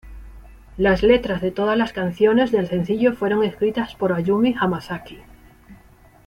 Las letras de todas las canciones del sencillo fueron escritas por Ayumi Hamasaki.